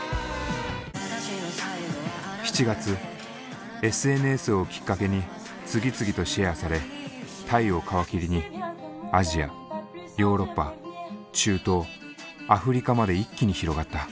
７月ＳＮＳをきっかけに次々とシェアされタイを皮切りにアジアヨーロッパ中東アフリカまで一気に広がった。